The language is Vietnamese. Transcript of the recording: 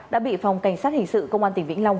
đã bị phòng cảnh sát hình sự công an tỉnh vĩnh long